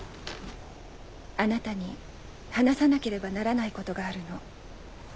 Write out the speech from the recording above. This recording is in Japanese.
あなたに話さなければならないことがあるの。